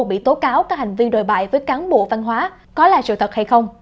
bị tố cáo có hành vi đồi bại với cán bộ văn hóa có là sự thật hay không